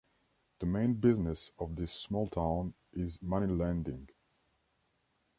The main business of this small town is moneylending.